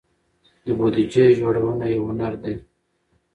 د بودیجې جوړونه یو هنر دی.